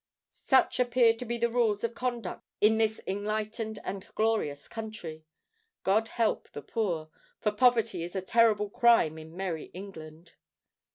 Such appear to be the rules of conduct in this enlightened and glorious country. God help the poor!—for poverty is a terrible crime in "merry England!"